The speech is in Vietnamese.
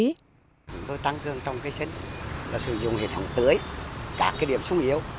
chúng tôi tăng cường trong cái xét là sử dụng hệ thống tưới các cái điểm xung yếu